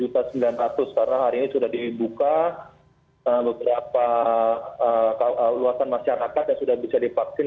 karena hari ini sudah dibuka beberapa luasan masyarakat yang sudah bisa divaksin